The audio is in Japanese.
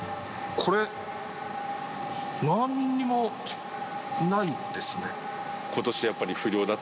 これ、何もないですね。